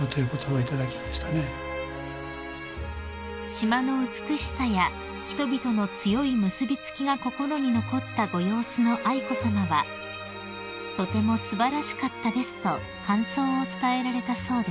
［島の美しさや人々の強い結び付きが心に残ったご様子の愛子さまは「とても素晴らしかったです」と感想を伝えられたそうです］